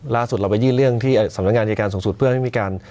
ล่าสุดเราไปยื่นเรื่องที่สำนักงานอายการสูงสุดเพื่อให้มีการ